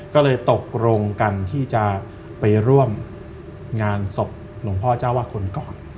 ก็เลยตกลงกันที่จะไปร่วมงานศพหลวงพ่อเจ้าว่าคุณก่อน